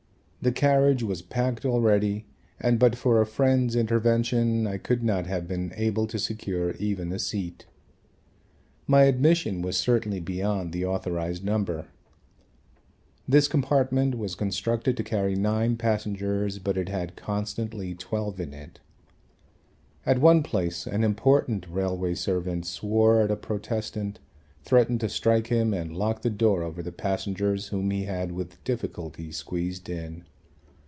The carriage was packed already and but for a friend's intervention I could not have been able to secure even a seat. My admission was certainly beyond the authorised number. This compartment was constructed to carry 9 passengers but it had constantly 12 in it. At one place an important railway servant swore at a protestant, threatened to strike him and locked the door over the passengers whom he had with difficulty squeezed in.